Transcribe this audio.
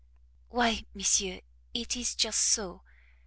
"Why, monsieur, it is just so.